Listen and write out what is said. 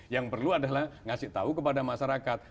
yang perlu adalah ngasih tahu kepada masyarakat